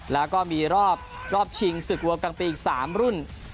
แล้วก็มีรอบชิงศึกวัวกลางปีอีก๓รุ่น